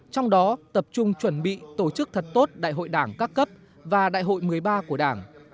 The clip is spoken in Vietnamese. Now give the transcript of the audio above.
trong đó tập trung chuẩn bị tổ chức thật tốt đại hội đảng các cấp và đại hội một mươi ba của đảng